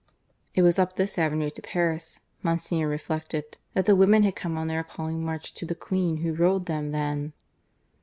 (It was up this avenue to Paris, Monsignor reflected, that the women had come on their appalling march to the Queen who ruled them then.)